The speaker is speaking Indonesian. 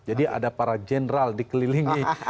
jadi ada para jenderal dikelilingi